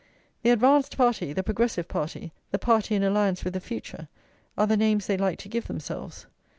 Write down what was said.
The advanced party, the progressive party, the party in alliance with the future, are the names they like to give themselves.